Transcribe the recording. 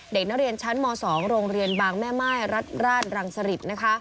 เด็กน้อเรียนชั้นม๒โรงเรียนบางแม่ไหม้รัดราดรังสริต